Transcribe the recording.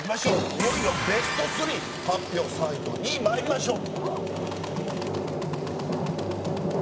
いよいよベストスリー発表３位と２位まいりましょう。